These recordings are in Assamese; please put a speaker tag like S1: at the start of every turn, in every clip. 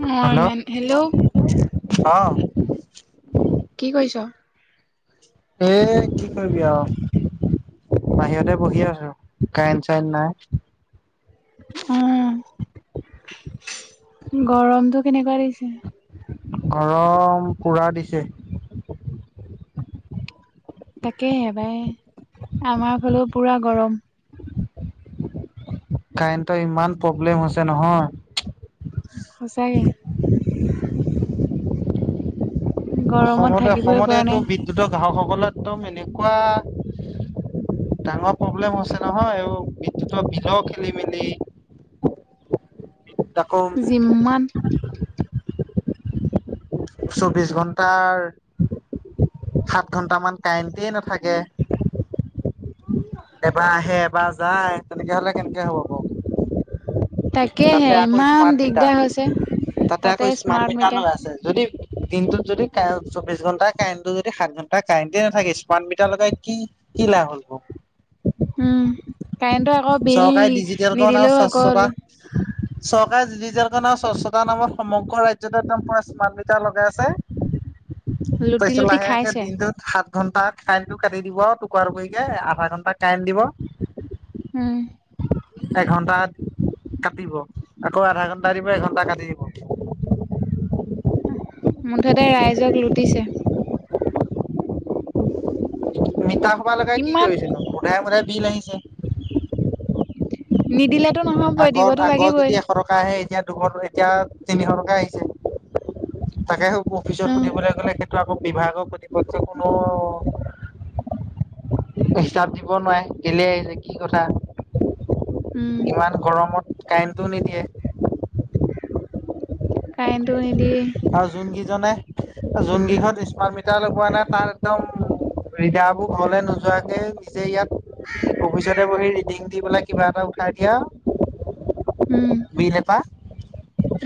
S1: অ
S2: হেল্ল'?
S1: ইমান হেল্ল'
S2: অহ।
S1: কি কৰিছ?
S2: এ কি কৰিবি আৰু। বাহিৰতে বহি আছো, কাৰেণ্ট চাৰেন নাই।
S1: উম, গৰমটো কেনেকুৱা দিছে?
S2: গৰম পোৰা দিছে।
S1: তাকেহে পাই, আমাৰ ফালেওঁ পোৰা গৰম।
S2: কাৰেণ্টৰ ইমান প্ৰব্লেম হৈছে নহয়।
S1: সচাকে। গৰমত
S2: অসমতে,
S1: থাকিবই
S2: অসমত
S1: পৰা
S2: এইটো
S1: নাই
S2: বিদ্যুতৰ গ্ৰাহকসকলৰ একদম এনেকুৱা ডাঙৰ প্ৰব্লেম হৈছে নহয়, আৰু বিদ্যুৎৰ বিলৰ খেলি মেলি আকৌ
S1: যিমান
S2: চৌবিশ ঘণ্টাৰ, সাত ঘন্টামান কাৰেণ্টুৱে নাথাকে।
S1: [inaudible]
S2: এবাৰ আহে, এবাৰ যায়, তেনেকে হ'লে কেনেকে হ'ব বাৰু। তাতে
S1: তাকেহে
S2: আকৌ
S1: ইমান
S2: স্মাৰ্ট মিটাৰ,
S1: দিগদাৰ হৈছে
S2: তাতে আকৌ স্মাৰ্ট মিটাৰ লগাইছে। যদি দিনটোত যদি চৌবিশ ঘণ্টা কাৰেণ্টুৱে যদি সাত ঘণ্টা কাৰেণ্টে নাথাকে, স্মাৰ্ট মিটাৰ লগাই কি কি লাভ হ'ল নো।
S1: উম, কাৰেণ্টো আকৌ বিল,
S2: চৰকাৰে ডিজিটেলকৰণ আৰু
S1: নিদিলেওঁ আকৌ
S2: [inaudible] চৰকাৰে ডিজিটেলখনৰ স্বচ্ছতা নামত সমগ্ৰ ৰাজ্যটো একদম স্মাৰ্ট মিটাৰ লগাই আছে।
S1: [inaudible] লুটি
S2: তাৰপিছত
S1: লুটি
S2: লাহেকে
S1: খাইছে
S2: দিনটো সাত ঘন্টা কাৰেন্টো কাটি দিব, টুপা টুপিকে আধা ঘন্টা কাৰেণ্টো দিব।
S1: উম।
S2: এঘন্টা কাটিব, আকৌ আধা ঘন্টা দিব, এঘন্টা কাটি দিব।
S1: মুঠতে ৰাইজক লুটিছে।
S2: মিটাৰ খোপা লগাই কি
S1: ইমান
S2: কৰিছিলে হনো ওধাইে, মোধাই বিল আহিছে।
S1: নিদিলেতো নহ'বই, দিবতো লাগিবই।
S2: দুশ টকা আহে, এতিয়া দুশ এতিয়া তিনিশ টকা আহিছে, তাকে অফিচত
S1: উম
S2: সুধিবলৈ গ'লে, সেইটো আকৌ বিভাগৰ প্ৰতিপক্ষে কোনো হিচাপ দিব নোৱাৰে, কেলে আহিছে কি কথা।
S1: উম
S2: ইমান গৰমত কাৰেণ্টো নিদিয়ে।
S1: কাৰেণ্টো নিদিয়ে।
S2: আৰু যোন কেইজনে, যোন কেইখন, স্মাৰ্ট মিটাৰ লগোৱা নাই তাৰ একদম ৰিদাবোৰ ঘৰলৈ নোযোৱাকে, নিজেই ইয়াত অফিচতে বহি ৰিডিং দি পেলাই কিবা এটা উঠাই দিয়া
S1: উম।
S2: বিল এটা,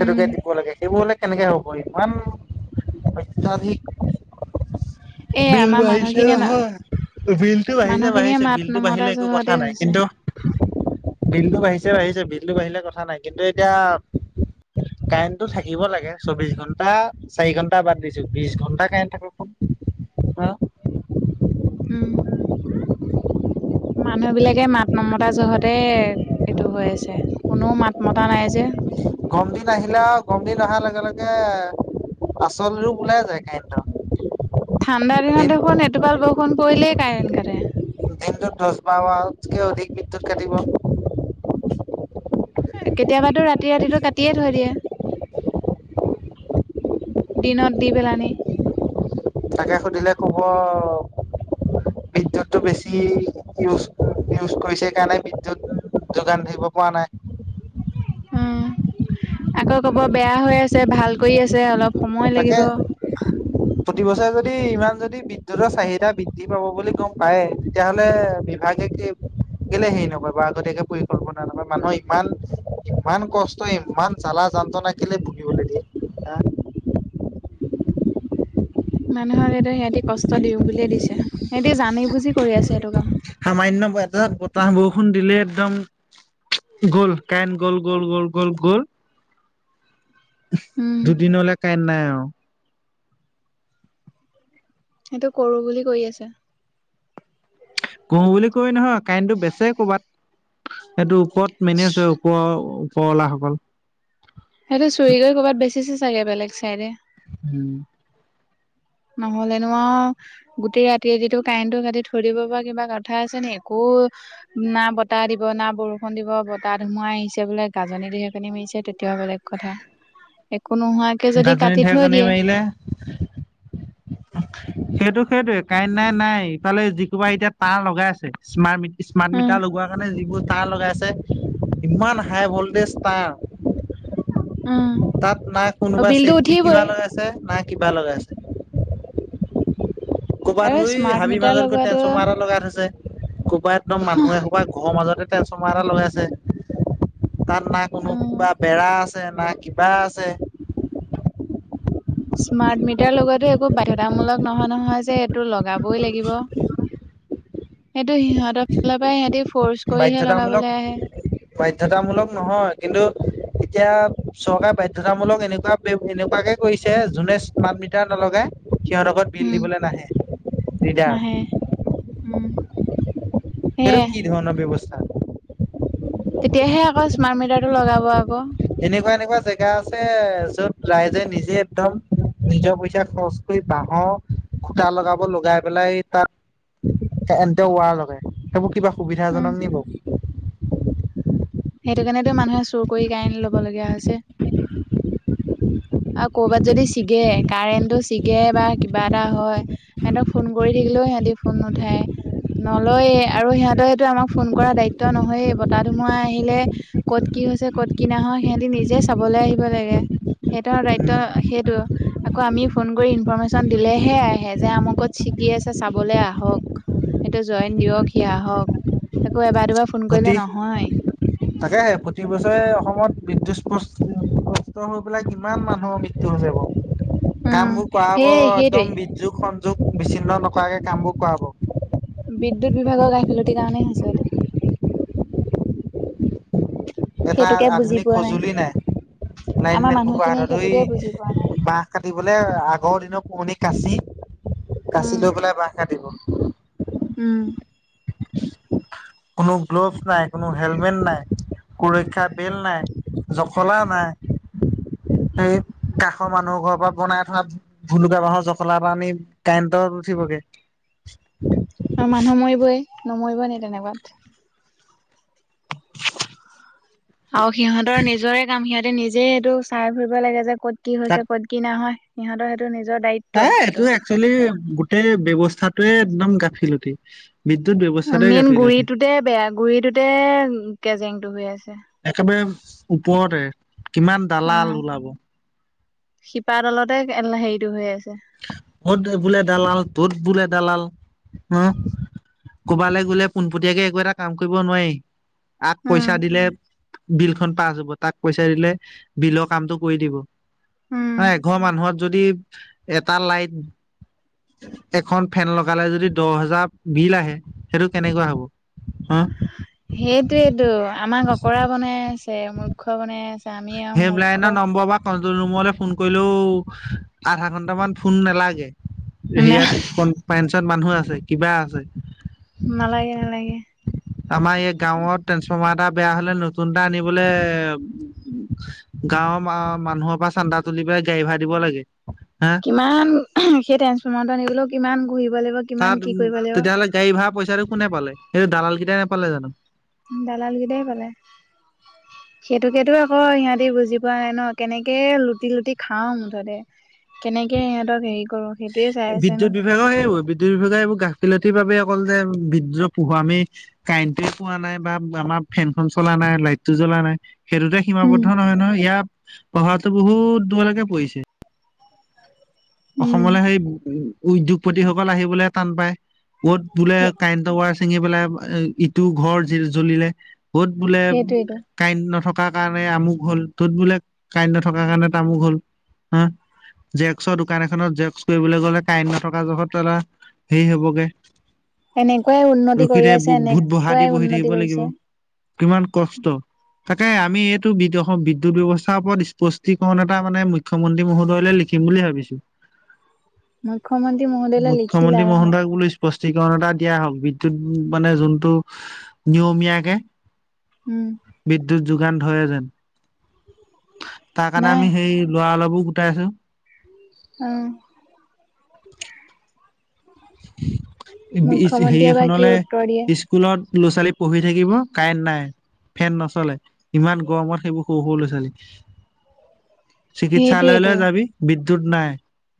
S1: উম,
S2: দিব লাগে, সেইবোৰ হ'লে কেনেকে হ'ব। ইমান অত্যাধিক
S1: এ
S2: বিল
S1: আমাৰ
S2: আহিছে
S1: মানুহখিনিয়ে না
S2: নহয়। বিলটো বাঢ়িছে
S1: মানুহখিনিয়ে
S2: বাঢ়িছে,
S1: মাত
S2: বিলটো
S1: নমতা
S2: বাঢ়িলে একো
S1: জহতে
S2: কথা নাই,
S1: হৈছে।
S2: কিন্তু‌ বিলটো বাঢ়িছে বাঢ়িছে, বিলটো বাঢ়িলে কথা নাই, কিন্তু এতিয়া কাৰেণ্টটো থাকিব লাগে চৌবিশ ঘন্টা চাৰি ঘন্টা বাদ দিছো, বিশ ঘন্টা কাৰেণ্ট থাককচোন, হা।
S1: উম।
S2: [inaudible]
S1: মানুহ বিলাকে মাত নমতা জহতে এইটো হৈ আছে। কোনেও মাত মতা নাই যে।
S2: গম দিন আহিলে আৰু গম দিন অহাৰ লগে লগে। এ আচল ৰূপ ওলাই যায় কাৰেণ্টৰ
S1: ঠাণ্ডা দিনত
S2: দিন
S1: দেখোন এটোপাল বৰষুণ পৰিলেই কাৰেণ্ট কাটে।
S2: দিনটোত দশবাৰ বাৰ মানকেই অধিক বিদ্যুৎ কাটিব।
S1: কেতিয়াবাতো ৰাতি ৰাতিটো কাটিয়ে থৈ দিয়ে। দিনত দি পেলাই নি।
S2: তাকে সুধিলে কব। বিদ্যুতটো বেছি ইউজ ইউজ কৰিছে কাৰণে বিদ্যুৎ। যোগান ধৰিব পৰা নাই।
S1: উ আকৌ ক'ব বেয়া হৈ আছে ভাল কৰি আছে অলপ। সময়
S2: তাকে
S1: লাগিব।
S2: প্ৰতি বছৰে যদি ইমান যদি বিদ্যুতৰ চাহিদা বৃদ্ধি পাব বুলি গম পায়ে তেতিয়াহ'লে। আগে কি কেলে হেৰি নকৰে বাও আগতীয়াকে পৰিকল্পনা। মানুহৰ ইমান ইমান কষ্ট ইমান জ্বালা যন্ত্ৰণা। কেলে ভুগিবলৈ দিয়ে হা
S1: উ [inaudible] মানুহক সেটো সিহঁতি কষ্ট দিওঁ বুলিয়ে দিছে। সিহঁতি জানি বুজি কৰি আছে এইটো কাম।
S2: সামান্য এযাক বতাহ বৰষুণ দিলে একদম। গ'ল কাৰেন গ'ল গ'ল গ'ল গ'ল গ'ল।
S1: উম,
S2: দুদিনলে কাৰেণ নাই আৰু।
S1: সেইটো কৰো বুলি কৰি আছে।
S2: কৰো বুলি কৰি নহয় কাৰেনটো বেচে কবাত এইটো। ওপৰত মেনেজ হয ওপৰ ওপৰৱালাসকল।
S1: সেইটো চুৰি কৰি ক'ৰবাত বেচিছে চাগে বেলেগ চাইডে।
S2: উম
S1: নহ'লে নো আও গোটেই ৰাতি ৰাতিটো কাৰেণ্টটো কাটি থৈ দিব পৰা কিবা কথা আছে নি একো। না বতাহ দিব না বৰষুণ দিব বতাহ ধুমুহা আহিছে বোলে গাজনি ঢেৰেকনি মাৰিছে তেতিয়া বেলেগ। একো নোহোৱাকে যদি
S2: গাজনি
S1: কাটি থৈ
S2: ঢেৰেকনি
S1: দিয়ে।
S2: মাৰিলে সেইটো সেইটোয়ে কাৰেন নাই নাই ইফালে যিসোপা এতিয়া তাঁৰ লগাই আছে smart meat. Smart
S1: um
S2: meter লগোৱাৰ কাৰণে যিবোৰ তাৰ লগাইছে। কিমান হাই ভল্টেজ
S1: উম
S2: তাঁৰ। তাত না
S1: অ
S2: কোনোবা
S1: বিলটো
S2: চেফটি কিবা
S1: উঠিবই
S2: লগাইছে না কিবা লগাইছে। ক'ৰবাত
S1: আৰু
S2: উই
S1: স্মাৰ্ট
S2: হাবি
S1: মিটাৰ
S2: মাজত গৈ
S1: লগোৱাটো
S2: ট্ৰেন্ঞ্চফৰ্মাৰ এটা লগাই থৈছে। কৰবাত একদম মানুহে কৰবাত ঘৰৰ মাজতে ট্ৰেনছফ্ৰমাৰ এটা লগাইছে। তাত না কোনো
S1: উম
S2: কিবা বেৰা আছে না কিবা আছে।
S1: স্মাৰ্ট মিটাৰ লগোৱাটো একো বা বাধতামূলক নহয় নহয় যে এইটো লগাবই লাগিব। সেটটো সিহতক। সেইটো সিহঁতৰফালৰ পৰাহে সিহঁতি ফ'ৰ্চ কৰিহে লগাবলে আহে।
S2: বাধ্যয়তামূলক নহয়। কিন্তু এতিয়া চৰকাৰে বাধ্যয়তামূলক এনেকুৱা। এনেকুৱাকে কৰিছে যোনে স্মাৰ্ট মিটাৰ নলগাই সিহঁতৰ ঘৰত বিল
S1: উম
S2: দিবলৈ নাহে। ৰিডাৰ
S1: নাহে উম
S2: সেইতো
S1: সেয়াই
S2: কি ধৰণৰ ব্যৱস্থা।
S1: তেতিয়াহে আকৌ স্মাৰ্ট মিটাৰটো লগাব আকৌ।
S2: এনেকুৱা এনেকুৱা জেগা আছে যত ৰাইজে নিজে একদম। নিজৰ পইচা খৰচ কৰি বাঁহৰ খুটা লগাব লগাই পেলাই তাত। এ এন্ত ৱাৰ লগাই সেইবোৰ কিবা
S1: উম
S2: সুবিধাজনক নি বু।
S1: সেইটো কাৰণেতো মানুহে চুৰ কৰি কাৰেন্ট আনি ল'ব লগীয়া হৈছে। আৰু কৰ'বাত যদি ছিগে কাৰেণ্টটো ছিগে বা কিবা এটা হয়। সিহঁতক ফোন কৰি থাকিলেও সিহঁতি ফোন নুঠায়। নলয়ে আৰু সিহঁতেৰ এইটো আমাক ফোন কৰা দায়িত্ব নহয়ে বতাহ ধুমুহা আহিলে। ক'ত কি হৈছে ক'ত কি নাইহোৱা সিহঁতি নিজে চাবলৈ আহিব লাগে। সেতৰ দায়িত্ব সেইটো। আকৌ আমি ফোন কৰি ইনফৰৰ্মেশ্যন দিলেহে আহে যে আমু কত ছিগি আছে চাবলে আহক। এইটো জইন দিয়ক সি আহক আকৌ এবাৰ দুবাৰ ফোন কৰিলে নহয়।
S2: তাকেে প্ৰতি বছৰে অসমত বিদ্যুৎ কষ্ট হৈ পেলাই কিমান মানুহৰ মৃ। তেওঁ যাব।
S1: উম,
S2: কাম বোৰ কৰাব
S1: সেই সেইটোৱে
S2: একদম বিৰ্যোগ সংযোগ বিচ্ছিন্ন নকৰাকে কাম বোৰ কৰাব।
S1: বিদ্যুৎ বিভাগৰ গাফিলতিৰ কাৰণেই হৈছে এইটো।
S2: এটা
S1: সেইটোকে বুজি
S2: আধুনিক
S1: পোৱা
S2: সঁজুলি নাই।
S1: আমাৰ
S2: লাইনমেন কক
S1: মানুহখিনিয়ে
S2: আৰু দুই
S1: সেইটোকে বুজি পোৱা নাই।
S2: মাহ। বাহ কাটিবলৈ আগৰ দিনৰ পুৰণি কাচি কাচি
S1: উম,
S2: লৈ পেলাই বাঁহ কাটিব।
S1: উম।
S2: কোনো গ্ল'ভছ নাই কোনো হেলমেট নাই। সুৰক্ষাৰ বেল নাই জখলা নাই। সেই কাষৰ মানুহৰ ঘৰৰ পৰা বনাই থৱাত। ভুলুকা বাঁহৰ জখলা এটা আনি কাৰেণ্টত উঠিবগে।
S1: আৰু মানুহ মৰিবই নমৰিবই নি তেনেকুৱাত। আৰু সিহঁতৰ নিজৰে কাম সিহঁতে নিজে এইটো চাই ফুৰিব লাগে যে ক'ত কি
S2: তাত
S1: হৈছে ক'ত কি নহয়। সিহঁতৰ সেইটো নিজৰ দায়্বি।
S2: এ এইটো একচুৱেলি গোটেই ব্যৱস্থাটোয়ে একদম গাফিলতি হৈ থাকিলে বিদ্যুত ব্যৱস্থ।
S1: মেইন গুৰিটোতে বেয়া গুৰিটোতে কেজেংটো হৈ আছে।
S2: একেবাৰে ওপৰতে কিমান দালাল ওলাব।
S1: শিপা তলতে হেৰিটো হৈ আছে।
S2: মত বোলে দালাল তোত বোলে দালাল। অ কবালৈ গ'লে পোনপটীয়াকে একো এটা কাম কৰিব নোৱাৰি। আগ
S1: উম,
S2: পইচা দিলে বিল খ পাছ হব তাক পইচা দিলে বিলৰ কামটো কৰি থাকিব। ন
S1: উম।
S2: এঘৰ মানুহত যদি এটা লাইট। এখন ফেন লগালে যদি দহ হোজাৰ বিল আহে সেইটো কেনেকুৱা হ'ব। হা।
S1: সেইটোয়েইেটো আমাক অকৰা বনাই আছে মূৰ্খ বনাই আছে। আমি আৰু
S2: হেল্প
S1: মূৰ্খ।
S2: লাইননৰ নম্বৰ বা। কন্ট্ৰল ৰুমলৈ ফোন কৰিলেও আধা ঘন্টামান ফোন নালাগে।
S1: না
S2: সেৰিয়াত কোন পঞ্চন মানুহ আছে কিবা আছে।
S1: নালাগে- নালাগে।
S2: আমাৰ এই গাঁওত ট্ৰেন্সফৰ্মাৰ এটা বেয়া হ'লে নতুন এটা আনিবলে। গাঁৱৰ মানুহৰ পৰা চান্দা তুলি পেলাই গাড়ী ভাড় দিব লাগে হা।
S1: কিমান সেই ট্ৰেঞ্চফৰ্মাৰটো নিবলৈও কিমান ঘূৰিব লাগিব। কিমান কি কৰিব
S2: [unintelligible]
S1: লাগিব।
S2: তেতিয়াহ'লে গাড়ী ভাৰা পইচাটো কোনে পালে, সেই দালাল কেইটাই নাপালে জানো!
S1: দালাল কেইটাই পালে। সেইটোকেতো আকৌ সিহঁতি বুজি পোৱা নাই ন! কেনেকে লুটি-লুটি খাম মুঠতে। কেনেকে সিহঁতক হেৰি কৰো। সেইটোয়ে চাই আছে ন।
S2: বিদ্যুৎ বি বিভাগৰ সেইবোৰ, বিদ্যুৎ বিভাগে এইবোৰ গাফিলতিৰ বাবে অকল যে বিদ্যুত [unintelligible] কাৰেণ্টয়ে পোৱা নাই বা আমাৰ ফেনখন চলা নাই, লাইটটো জ্বলা নাই। সেইটোতে
S1: উম
S2: সীমাবদ্ধ নহয়, নহয়। ইয়াত প্ৰভাৱতো বহুত দূৰলৈকে পৰিছে।
S1: উম
S2: অসমলৈ সেই উদ্যোগপতিসকল আহিবলৈ টান পায়। ক'ত বোলে
S1: সেই
S2: কাৰেণ্ট টাৱাৰ চিঙি পেলাই ইটো ঘৰ জি জ্বলিলে। ক'ত বোলে
S1: সেইটোৱেইটো
S2: কাৰেন্ট নথকাৰ কাৰণে আমুক হ'ল, তত বোলে কাৰেণ্ট নথকাৰ কাৰণে তামুক হ'ল। হা! জেৰক্সৰ দো দোকান এখনত জেৰক্স কৰিবলৈ গ'লে, কাৰেণ্ট নথকা জোখত তলা, হেৰি হ'বগে।
S1: এনেকুৱাই উন্নতি
S2: ৰখি
S1: কৰি
S2: থাকি,
S1: আছে
S2: ভূ ভূত বহা
S1: এনেকুৱাই
S2: দি বহি
S1: উন্নতি
S2: থাকিব
S1: কৰিছে।
S2: লাগিব। কিমান কষ্ট। তাকেহে, আমি এইটো বিদস বিদ্যুৎ ব্যৱস্থাৰ ওপৰত স্পষ্টীকৰণ এটা মানে মু মুখ্যমন্ত্ৰী মহোদয়লে লিখিম বুলি ভাবিছোঁ।
S1: মুখ্যমন্ত্ৰী মহো-
S2: মুখ্যমন্ত্ৰী মহোদয়ক বুলি স্পষ্টিকৰণ এটা দিয়া হওক। বিদ্যুৎ মানে যোনটো, নিয়মীয়াকে
S1: উম।
S2: বিদ্যুৎ যোগান ধৰে যেন। তাৰকাৰণে
S1: নাই
S2: আমি সেই ল'ৰাবিলাকো গোটাইছোঁ।
S1: উম।
S2: [unintelligible] হেৰি
S1: বা কি
S2: এখনলে
S1: উত্তৰ দিয়ে।
S2: স্কুলত ল'ৰা-ছোৱালী পঢ়ি থাকিব, কাৰেণ্ট নাই। ফেন নচলে। ইমান গৰমত সেইবোৰ সৰু-সৰু ল'ৰা-ছোৱালী।
S1: [inaudible]
S2: চিকিৎসালয়লৈ
S1: সেইটোৱেতো
S2: যাবি, বিদ্যুৎ নাই।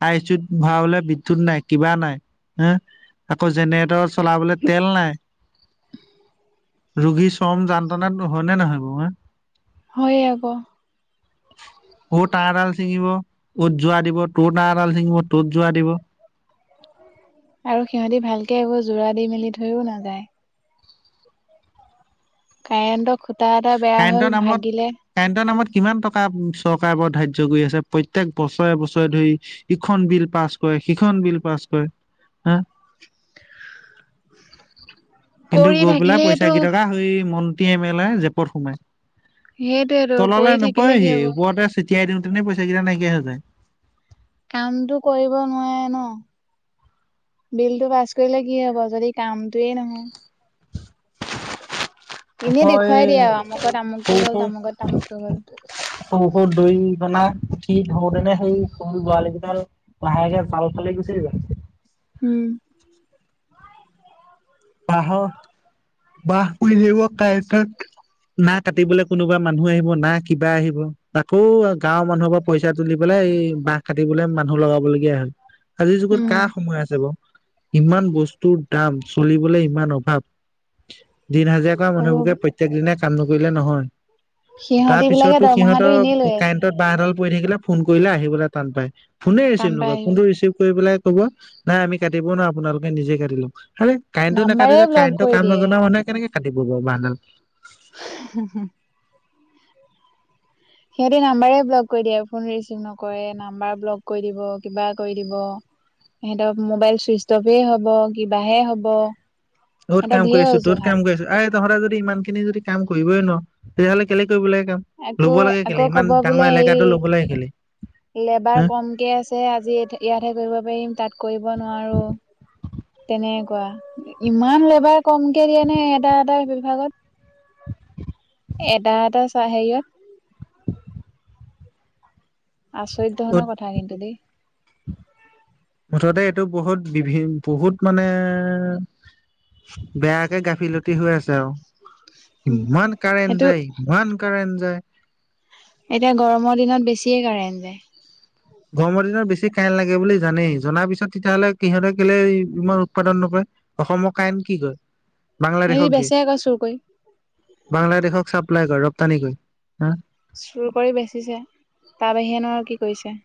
S2: আই চি ইউত ভৰাবলৈ বিদ্যুৎ নাই, কিবা নাই। উম, আকৌ জেনেৰেটৰ চলাবলে তেল নাই। ৰোগী চ্ৰম যন্ত্ৰণাত হয়নে নহয় বাৰু, হা?
S1: হয়, আকৌ।
S2: অৰ তাৰ এডাল ছিঙিব, তত জোৰা দিব, তৰ তাৰ এডাল ছিঙিব, তত জোৰা দিব।
S1: আৰু সিহঁতি ভালকে একো জোৰা দি মেলি থৈও নাযায়। কাৰেণ্টৰ খুটা এটা বেয়া
S2: কাৰেণ্টৰ
S1: হ'ল,
S2: নামত
S1: ভাঙিলে।
S2: কাৰেণ্টৰ নামত কিমান টকা চৰকাৰে বাৰু ধাৰ্য কৰি আছে, প্ৰত্যেক বছৰে-বছৰে ধৰি। ইখন বিল পাছ কৰে, সিখন বিল পাছ কৰে, হা! কিন্তু
S1: কৰি
S2: গৈ পেলাই পইচা
S1: থাকিলেইটো
S2: কেইটকা সেই মন্ত্ৰী এম এল এ, জেপত সোমাই।
S1: সেইটোৱেতো
S2: তললে
S1: কৰি থাকিলে কি
S2: নপৰেহি।
S1: হব
S2: ওপৰতে চটিয়াই দিওঁ, তেনে পইচা কেইটা নাইকিয়া হৈ যায়।
S1: কামটো কৰিব নোৱাৰে ন! বিলটো পাছ কৰিলে কি হ'ব, যদি কামটোৱে নহয়।
S2: ওখ
S1: এনেই দেখুৱাই দিয়ে আৰু
S2: এই,
S1: আমুকত আমুকটো হ'ল
S2: সৰু-সৰু
S1: তামুকত তামুকটো হ'ল।
S2: সৰু-সৰু দৈৰীকনা উঠি ধৌত তেনে সেই সৰু পোৱালি কেইডাল লাহেকে জাল ফালি গুছি যায়।
S1: উম।
S2: বাঁহৰ, বাঁহ পৰি থাকিব কাৰেণ্টত। না কাটিবলে কোনোবা মানুহ আহিব, না কিবা আহিব। আকৌ গাঁওৰ মানুহৰ পৰা পইচা তুলি পেলাই এই, বাঁহ কাটিবলে মানুহ লগাবলগীয়া হয়। আজিৰ যুগত
S1: উম
S2: কাৰ সময় আছে বাও? ইমান বস্তুৰ দাম! চলিবলে ইমান অভাৱ। দিন হাজিৰা কৰা
S1: আৰু
S2: মানুহবোৰকে প্ৰত্যেক দিনাই কাম নকৰিলে নহয়।
S1: সিহঁতি বিলাকে
S2: তাৰপিছতো
S1: দৰমহাটো
S2: সিহঁতৰ
S1: এনেই লৈ আছে
S2: কাৰেণ্টত বাঁহ এডাল পৰি থাকিলে- ফোন কৰিলে আহিবলে টান পায়। ফোনে
S1: কাম
S2: ৰিচিভ
S1: পাই
S2: নকৰে, ফোনটো
S1: আহিবলৈ
S2: ৰিচিভ কৰি পেলাই ক'ব, 'নাই, আমি কাটিব নোৱাৰোঁ', আপোনালোকে নিজে কাটি ল'ক, হেই কাৰেণ্টটো
S1: নাম্বাৰে
S2: নাকাটিলে
S1: ব্লক
S2: কাৰেণ্টৰ
S1: কৰি
S2: কাম
S1: দিয়ে
S2: নজনা মানুহে কেনেকে কাটিব ক বাঁহডাল।
S1: [unintelligible] সিহঁতে নাম্বাৰে ব্লক কৰি দিয়ে, ফোন ৰিচিভ নকৰে না নাম্বাৰ ব্লক কৰি দিব কিবা কৰি দিব। সিহঁতৰ মোবাইল চুইচ অফে হব কিবাহে হব।
S2: অত
S1: সিহঁতৰ
S2: কাম
S1: ঢেৰ
S2: কৰি আছো তত
S1: অজুহাত।
S2: কাম কৰি আছো, আৰে তহঁতে যদি ইমান খিনি যদি কাম কৰিবই নোৱাৰ তেতিয়াহ'লে কেলে কৰিব লাগে কাম। ল'ব
S1: আকৌ
S2: লাগে কেলে
S1: আকৌ
S2: ইমান
S1: কব
S2: ডাঙৰ
S1: বোলে
S2: এলেকাটো ল'ব লাগে কেলে
S1: হেই লেবাৰ
S2: হা
S1: কমকে আছে যে আজি ইয়াতহে কৰিব পাৰিম তাত কৰিব নোৱাৰো। তেনেকুৱা, ইমান লেবাৰ কম কে দিয়ে নে এটা এটা বিভাগত? এটা এটা চা হেৰিয়ত আচৰিত ধৰণৰ কথা কিন্তু দেই।
S2: মুঠতে এইটো বহুত বিভি বহুত মানে বেয়াকে গাফিলতি হৈ আছে আও। ইমান কাৰেণ্ট
S1: সেইটো
S2: যায় ইমান কাৰেন্ট যায়।
S1: এতিয়া গৰমৰ দিনত বেছিয়ে কাৰেণ্ট যায়।
S2: গৰমৰ দিনত বেছি কাৰেণ্ট লাগে বুলি জানেই, জনাৰ পিছত তেতিয়াহ'লে সিহঁতে কেলে ইমান উৎপাদন নকৰে। অসমৰ কাৰেণ্ট কি কৰে?
S1: হেৰি
S2: বাংলাদেশক দিয়ে,
S1: বেচে আকৌ চুৰ কৰি।
S2: বাংলাদেশক চাপ্লাই কৰে ৰপ্তানি কৰি হা।
S1: চুৰ কৰি বেচিছে, তাৰ বাহিৰেনো আৰু কি কৰিছে।